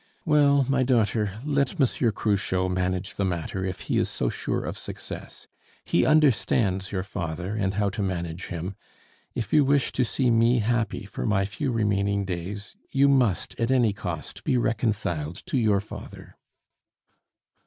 "Well, my daughter, let Monsieur Cruchot manage the matter if he is so sure of success. He understands your father, and how to manage him. If you wish to see me happy for my few remaining days, you must, at any cost, be reconciled to your father."